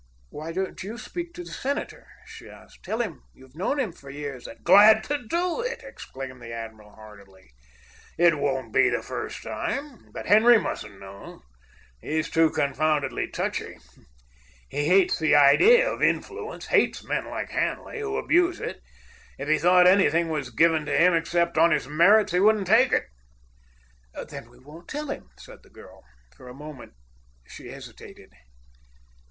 "Why don't you speak to the senator?" she asked. "Tell him you've known him for years, that——" "Glad to do it!" exclaimed the admiral heartily. "It won't be the first time. But Henry mustn't know. He's too confoundedly touchy. He hates the idea of influence, hates men like Hanley, who abuse it. If he thought anything was given to him except on his merits, he wouldn't take it." "Then we won't tell him," said the girl. For a moment she hesitated.